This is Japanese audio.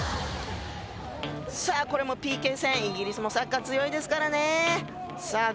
さあこれもＰＫ戦イギリスもサッカー強いですからねえさあ